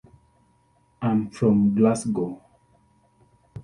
I'm from Glasgow.